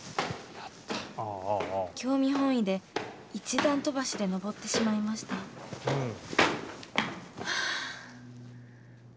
興味本位で１段飛ばしで上ってしまいましたはあ。